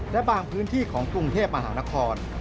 และบางพื้นที่ของกรุงเทพมหานคร